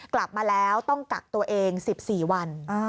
กลับมาแล้วต้องกักตัวเอง๑๔วัน